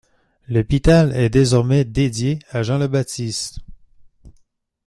L'Hospital est désormais dédié à Jean le Baptiste.